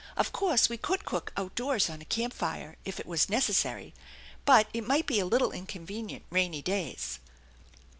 Of course V?Q could cook outdoors on a camp fire if it was necessary, but it might be a little inconvenient rainy days."